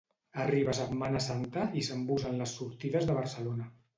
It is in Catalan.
Arriba setmana santa i s'embussen les sortides de Barcelona